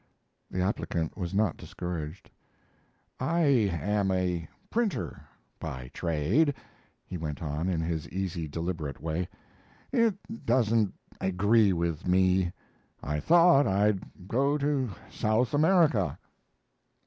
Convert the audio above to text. The applicant was not discouraged. "I am a printer by trade," he went on, in his easy, deliberate way. "It doesn't agree with me. I thought I'd go to South America."